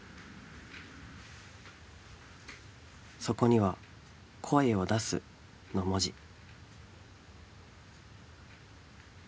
そこには「声を出す」の文字。）